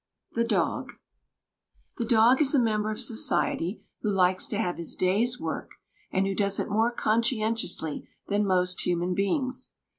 THE DOG The dog is a member of society who likes to have his day's work, and who does it more conscientiously than most human beings.